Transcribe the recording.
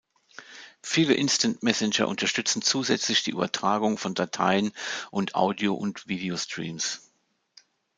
Viele Instant-Messenger unterstützen zusätzlich die Übertragung von Dateien und Audio- und Video-Streams.